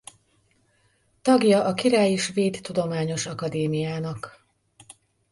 Tagja a Királyi Svéd Tudományos Akadémiának.